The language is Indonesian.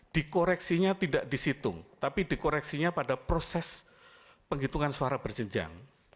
dikoreksinya tidak di situng tapi dikoreksinya pada proses penghitungan suara berjenjang